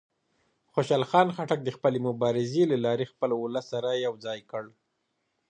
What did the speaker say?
خوشحال خان خټک د خپلې مبارزې له لارې خپل ولس سره یو ځای کړ.